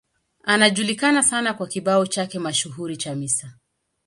Anajulikana sana kwa kibao chake mashuhuri cha Mr.